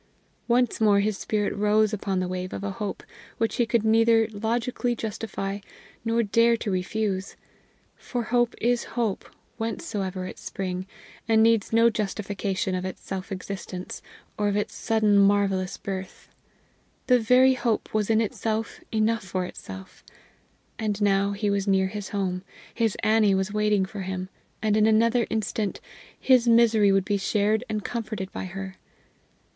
Once more his spirit rose upon the wave of a hope which he could neither logically justify nor dare to refuse; for hope is hope whencesoever it spring, and needs no justification of its self existence or of its sudden marvelous birth. The very hope was in itself enough for itself. And now he was near his home; his Annie was waiting for him; and in another instant his misery would be shared and comforted by her!